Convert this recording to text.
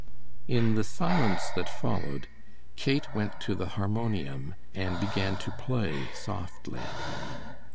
In the silence that followed Kate went to the harmonium and began to play softly.